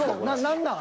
何なん？